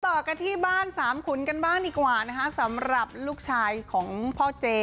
ต่อกันที่บ้านสามขุนกันบ้างดีกว่านะคะสำหรับลูกชายของพ่อเจ